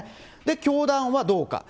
教団はどうか。